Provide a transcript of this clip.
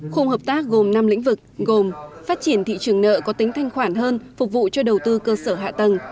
khung hợp tác gồm năm lĩnh vực gồm phát triển thị trường nợ có tính thanh khoản hơn phục vụ cho đầu tư cơ sở hạ tầng